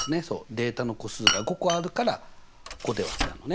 データの個数が５個あるから５で割ったのね。